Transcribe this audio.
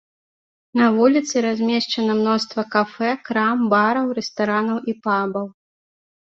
На вуліцы размешчана мноства кафэ, крам, бараў, рэстаранаў і пабаў.